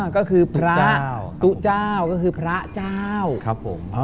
ก็คือพระตู้เจ้าก็คือพระเจ้า